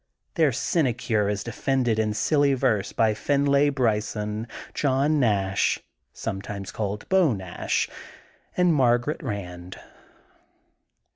Their sinecure is defended in silly verse by Findlay Bryson, John Nash, sometimes called ^^Beau Nash,'' and Mar garet Band.